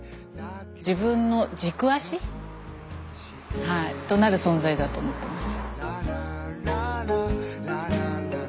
自分の軸足となる存在だと思ってます。